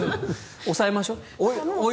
抑えましょう。